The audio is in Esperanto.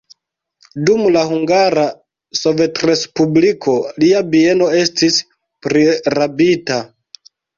Dum la Hungara Sovetrespubliko lia bieno estis prirabita.